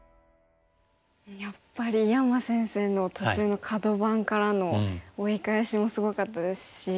やっぱり井山先生の途中のカド番からの追い返しもすごかったですし。